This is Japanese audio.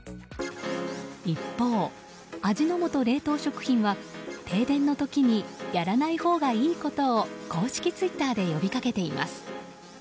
一方、味の素冷凍食品は停電の時にやらないほうがいいことを公式ツイッターで呼びかけています。